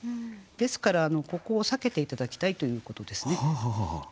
ですからここを避けて頂きたいということですね。